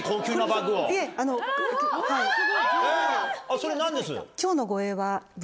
・それ何です？